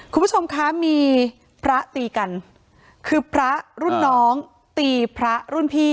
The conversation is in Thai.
คุณผู้ชมคะมีพระตีกันคือพระรุ่นน้องตีพระรุ่นพี่